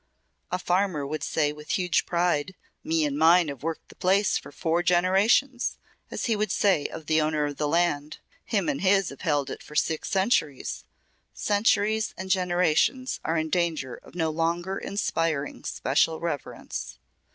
A farmer would say with huge pride, 'Me and mine have worked the place for four generations,' as he would say of the owner of the land, 'Him and his have held it for six centuries.' Centuries and generations are in danger of no longer inspiring special reverence.